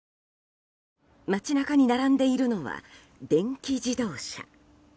街中に並んでいるのは電気自動車。